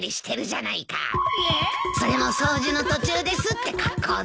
それも掃除の途中ですって格好で。